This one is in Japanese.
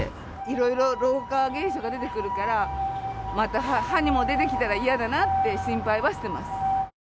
いろいろ、老化現象が出てくるから、また歯にも出てきたら嫌だなって、心配はしています。